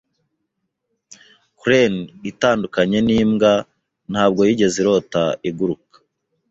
Crane, itandukanye n'imbwa, ntabwo yigeze irota iguruka.